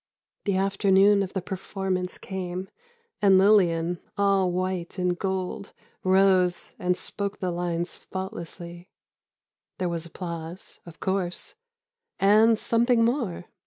The afternoon of the performance came, and Lillian, all white and gold, rose and spoke the lines faultlessly. There was applause, of course—and something more.